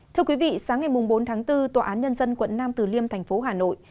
thưa quý vị sáng ngày bốn tháng bốn tòa án nhân dân quận nam từ liêm thành phố hà nội